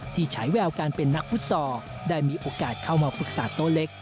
ที่ใช้แววการเป็นนักฟุตซอร์ได้มีโอกาสเข้ามาฝึกศาสตร์โต๊ะเล็ก